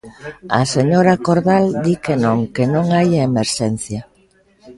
A señora Cordal di que non, que non hai emerxencia.